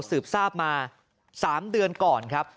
สืบทราบมา๓เดือนก่อนครับ